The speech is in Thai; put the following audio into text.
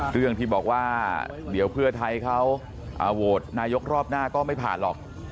เรื่องที่บอกว่าเดี๋ยวเพื่อไทยเขาโหวตนายกรอบหน้าก็ไม่ผ่านหรอก